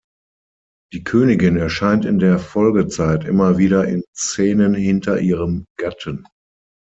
Die Königin erscheint in der Folgezeit immer wieder in Szenen hinter ihrem Gatten.